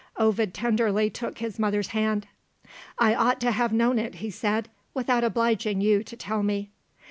Ovid tenderly took his mother's hand. "I ought to have known it," he said, "without obliging you to tell me."